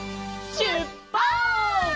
しゅっぱつ！